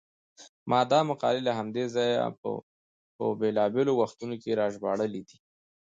ما دا مقالې له همدې ځایه په بېلابېلو وختونو کې راژباړلې دي.